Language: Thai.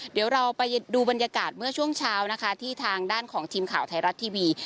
เดี๋ยวเราไปดูบรรยากาศเมื่อช่วงเช้านะคะที่ทางด้านของทีมข่าวไทยรัฐทีวี